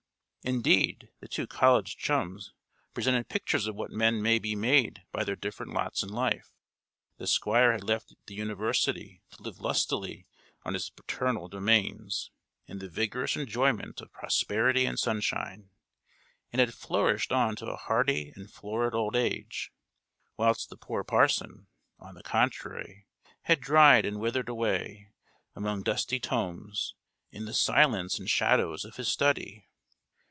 Indeed, the two college chums presented pictures of what men may be made by their different lots in life. The Squire had left the university to live lustily on his paternal domains, in the vigorous enjoyment of prosperity and sunshine, and had flourished on to a hearty and florid old age; whilst the poor parson, on the contrary, had dried and withered away, among dusty tomes, in the silence and shadows of his study.